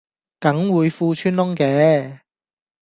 梗會褲穿窿嘅